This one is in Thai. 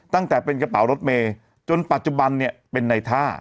ตั้งแต่เป็นกระเป๋ารถเมย์จนปัจจุบันเนี่ยเป็นในท่า